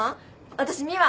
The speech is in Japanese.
私美和。